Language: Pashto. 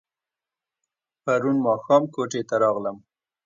پرون ماښام کوټې ته راغلم.